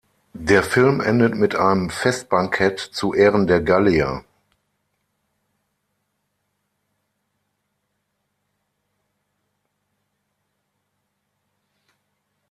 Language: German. Der Film endet mit einem Festbankett zu Ehren der Gallier.